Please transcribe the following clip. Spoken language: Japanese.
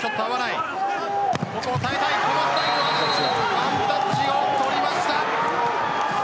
ワンタッチを取りました。